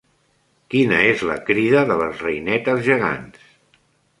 Quina és la crida de les reinetes gegants?